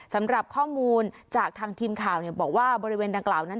สำหรับข้อมูลจากทางทีมข่าวบอกว่าบริเวณดังกล่าวนั้น